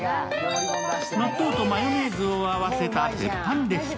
納豆とマヨネーズを合わせたテッパンレシピ。